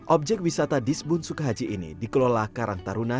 objek wisata disbun sukahaji ini dikelola karang taruna